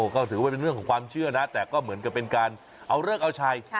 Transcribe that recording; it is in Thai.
ก็ถือว่าเป็นเรื่องของความเชื่อนะแต่ก็เหมือนกับเป็นการเอาเลิกเอาชัย